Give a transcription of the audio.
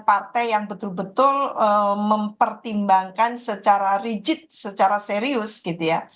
partai yang betul betul mempertimbangkan secara rigid secara serius gitu ya